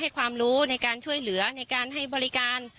ความรู้ในการช่วยเหลือในการให้บริการ